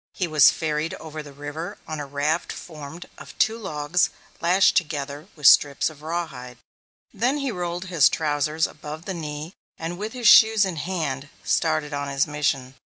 He was ferried over the river on a raft formed of two logs lashed together with strips of rawhide. Then he rolled his trousers above the knee and with his shoes in his hand, started on his mission.